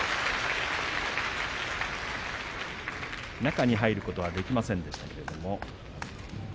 中に入ることはできませんでした。